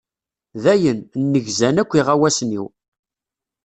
Dayen, nnegzan akk iɣawasen-iw.